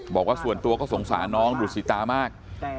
บอกว่าส่วนตัวก็สงสารน้องดูดสีตามาก